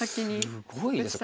すごいですね。